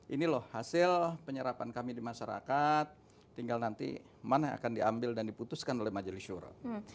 ini loh hasil penyerapan kami di masyarakat tinggal nanti mana yang akan diambil dan diputuskan oleh majelis syurah